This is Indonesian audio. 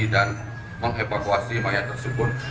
dan mengevakuasi mayat tersebut